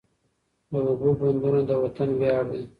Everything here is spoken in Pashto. د اوبو بندونه د وطن ویاړ دی.